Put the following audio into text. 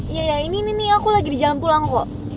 iya iya ini aku lagi di jalan pulang kok